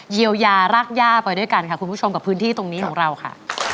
เยียวยารากย่าไปด้วยกันค่ะคุณผู้ชมกับพื้นที่ตรงนี้ของเราค่ะ